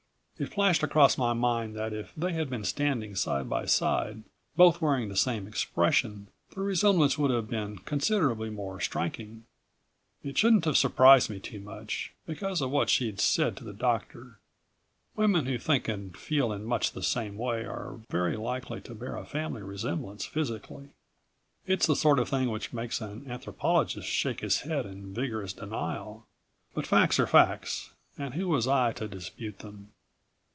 It flashed across my mind that if they had been standing side by side, both wearing the same expression, the resemblance would have been considerably more striking. It shouldn't have surprised me too much, because of what she'd said to the doctor. Women who think and feel in much the same way are very likely to bear a family resemblance physically. It's the sort of thing which makes an anthropologist shake his head in vigorous denial. But facts are facts and who was I to dispute them?